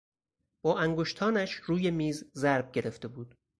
با انگشتانش روی میز ضرب گرفته بود.